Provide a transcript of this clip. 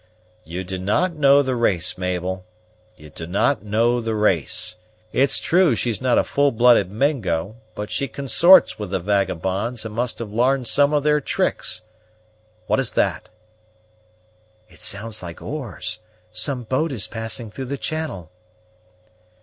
"You do not know the race, Mabel, you do not know the race. It's true she's not a full blooded Mingo, but she consorts with the vagabonds, and must have larned some of their tricks. What is that?" "It sounds like oars; some boat is passing through the channel."